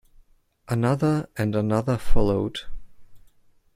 Another and another followed.